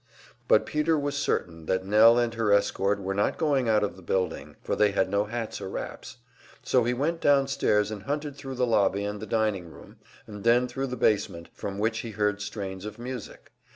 But Peter was certain that Nell and her escort were not going out of the building, for they had no hats or wraps; so he went downstairs and hunted thru the lobby and the dining room, and then thru the basement, from which he heard strains of music.